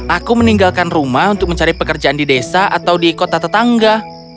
aku meninggalkan rumah untuk mencari pekerjaan di desa atau di kota tetangga